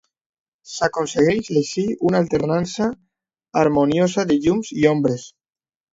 S'aconsegueix així una alternança harmoniosa de llums i ombres.